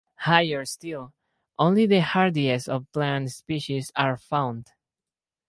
Higher still, only the hardiest of plant species are found.